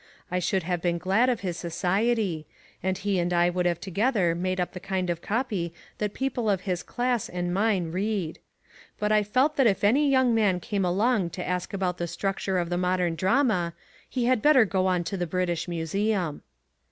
I should have been glad of his society, and he and I would have together made up the kind of copy that people of his class and mine read. But I felt that if any young man came along to ask about the structure of the modern drama, he had better go on to the British Museum.